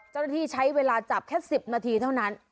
เจ้าหน้าที่ใช้เวลาจับแค่๑๐นาทีเท่านั้น